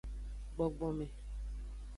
Gbogbome.